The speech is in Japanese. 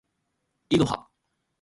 いろは